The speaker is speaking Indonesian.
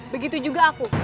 begitu juga aku